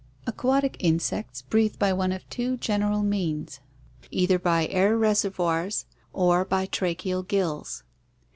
Aquatic insects breathe by one of two general means, either by air reservoirs or by tracheal gills.